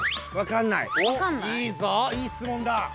いいぞ、いい質問だ。